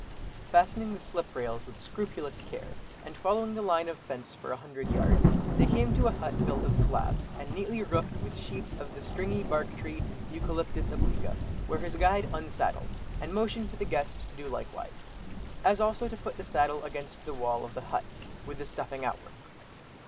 Fastening the slip rails with scrupulous care, and following the line of fence for a hundred yards, they came to a hut built of slabs, and neatly roofed with sheets of the stringy bark tree (Eucalyptus obliqua) where his guide unsaddled, and motioned to the guest to do likewise. As also to put the saddle against the wall of the hut, with the stuffing outward.